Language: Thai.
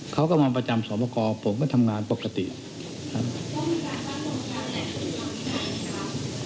เขาก็มาประจำสอบประกอบผมก็ทำงานปกติครับ